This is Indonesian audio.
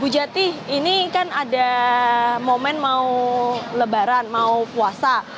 bu jati ini kan ada momen mau lebaran mau puasa